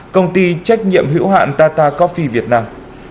công ty trách nhiệm hữu hạn tata cophi việt nam